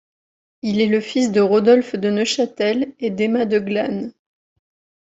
Il est le fils de Rodolphe de Neuchâtel et d'Emma de Glâne.